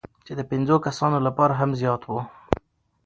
چې د پنځو کسانو لپاره هم زیات وو،